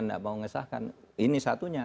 tidak mau ngesahkan ini satunya